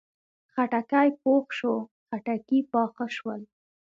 خټکی پوخ شو، خټکي پاخه شول